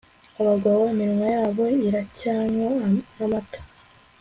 Abagabo iminwa yabo iracyanywa namata